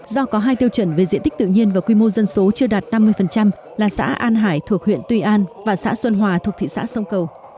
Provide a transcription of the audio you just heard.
do có hai tiêu chuẩn về diện tích tự nhiên và quy mô dân số chưa đạt năm mươi là xã an hải thuộc huyện tuy an và xã xuân hòa thuộc thị xã sông cầu